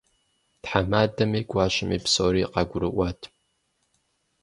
Тхьэмадэми гуащэми псори къагурыӏуат.